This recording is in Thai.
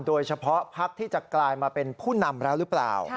โดยเฉพาะพักที่จะกลายมาเป็นผู้นำแล้วหรือเปล่า